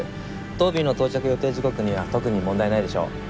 当便の到着予定時刻には特に問題ないでしょう。